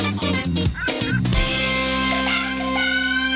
โปรดติดตามตอนต่อไป